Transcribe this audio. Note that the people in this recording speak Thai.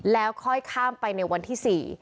แล้วค่อยข้ามไปในวันที่๔